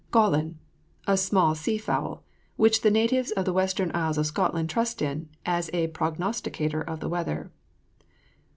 GAWLIN. A small sea fowl which the natives of the Western Isles of Scotland trust in, as a prognosticator of the weather.